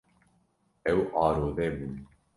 Ew arode bû.